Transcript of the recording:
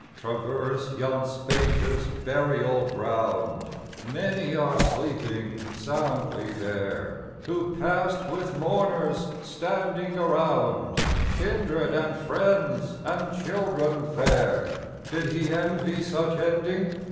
Traverse yon spacious burial ground, Many are sleeping soundly there, Who pass'd with mourners standing around, Kindred, and friends, and children fair; Did he envy such ending?